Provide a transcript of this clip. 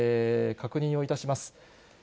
確認をいたします。